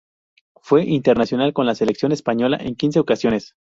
Fue internacional con la selección española en quince ocasiones.